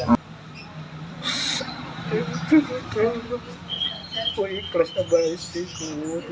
aku ikhlas sama istriku kebimbangkan aku